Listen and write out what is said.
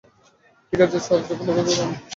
ঠিক আছে স্যার, যখন দরকার হবে আমি আপনাকে বলব।